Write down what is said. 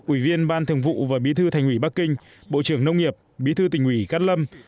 ủy viên ban thường vụ và bí thư thành ủy bắc kinh bộ trưởng nông nghiệp bí thư tỉnh ủy cát lâm